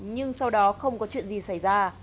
nhưng sau đó không có chuyện gì xảy ra